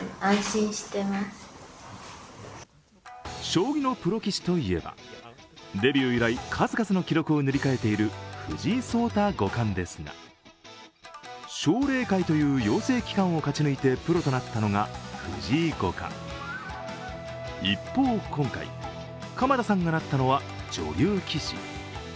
将棋のプロ棋士といえばデビュー以来数々の記録を塗り替えている藤井聡太五冠ですが奨励会という要請機関を勝ち抜いてプロとなったのが藤井五冠、一方今回、鎌田さんがなったのは女流棋士。